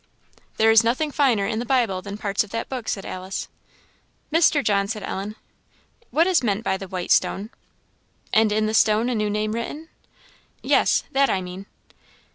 "There is nothing finer in the Bible than parts of that book," said Alice. "Mr. John," said Ellen "what is meant by the 'white stone?' "" 'And in the stone a new name written?' " "Yes that I mean."